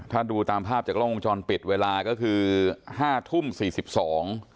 ถ้าดูตามภาพจากล้องวงจรปิดเวลาก็คือห้าทุ่มสี่สิบสอง